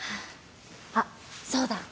あっそうだ。